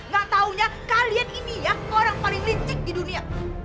gak taunya kalian ini ya orang paling lincik di dunia